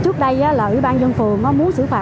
trước đây là ủy ban dân phường muốn xử lý nghiêm các vi phạm